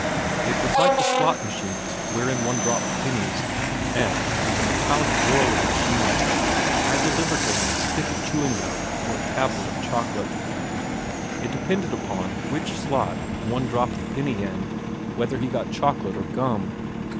It was like the slot machines wherein one dropped pennies, and, with a metallic whirl of machinery had delivered to him a stick of chewing gum or a tablet of chocolate. It depended upon which slot one dropped the penny in, whether he got chocolate or gum.